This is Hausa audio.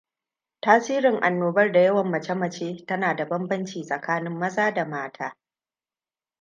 Tasirin annoban da yawan mace-mace tana da bambanci tsakanin maza da mata.